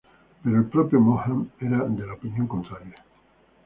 Pero el propio Maugham era de la opinión contraria.